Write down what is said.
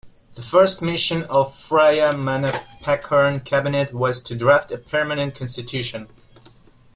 The first mission of Phraya Manopakorn's Cabinet was to draft a permanent constitution.